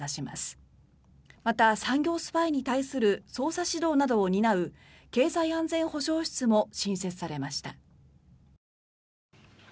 また、産業スパイに対する捜査指導などを担う経済安全保障室も新設されました。